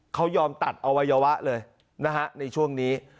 เขายอมตัดอวัยวะเลยนะฮะในช่วงนี้